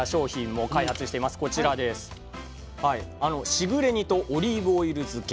「しぐれ煮」と「オリーブオイル漬け」。